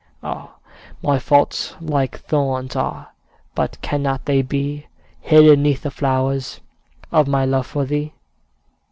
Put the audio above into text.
Ah! my faults like thorns are, But cannot they be Hidden 'neath the flower Of my love for thee?